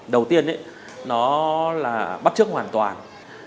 đầu tiên nó là bắt chước hoàn toàn